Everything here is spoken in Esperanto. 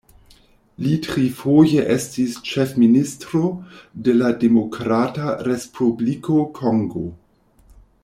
Li trifoje estis ĉefministro de la Demokrata Respubliko Kongo.